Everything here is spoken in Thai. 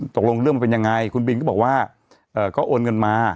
ตกลงเรื่องมันเป็นยังไงคุณบินก็บอกว่าก็โอนเงินมา